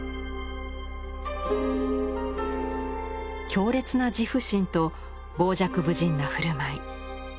強烈な自負心と傍若無人な振る舞い。